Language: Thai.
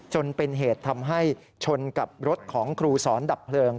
จนเป็นเหตุทำให้ชนกับรถของครูสอนดับเพลิง